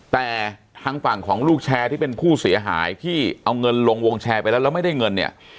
แต่ทางฝั่งของลูกแชร์ที่เป็นผู้เสียหายที่เอาเงินลงวงแชร์ไปแล้วแล้วไม่ได้เงินเนี่ย